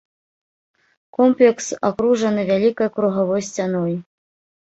Комплекс акружаны вялікай кругавой сцяной.